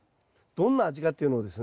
どんな味かっていうのをですね